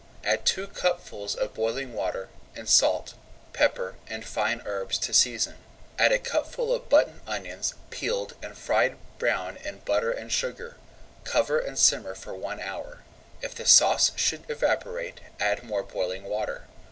Add two cupfuls of boiling water, and salt, pepper, and fine herbs to season. Add a cupful of button onions peeled and fried brown in butter and sugar. Cover and simmer for one hour. If the sauce should evaporate, add more boiling water.